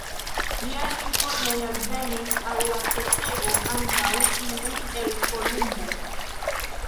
Liaj informoj alvenis al la kortego antaŭ tiuj el Kolumbo.